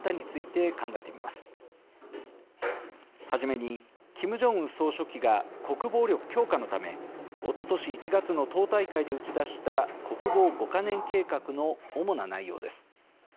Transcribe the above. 初めにキム・ジョンウン総書記が国防力強化のためおととし１月の党大会で打ち出した国防５か年計画の主な内容です。